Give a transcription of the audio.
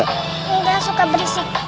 enggak suka berisik